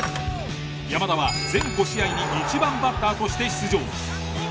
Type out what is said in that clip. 山田は全５試合に１番バッターとして出場。